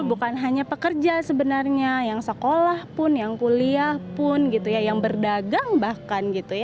bukan hanya pekerja sebenarnya yang sekolah pun yang kuliah pun yang berdagang bahkan